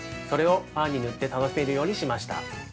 それをパンに塗って楽しめるようにしました。